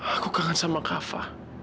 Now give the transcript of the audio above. aku kangen sama kava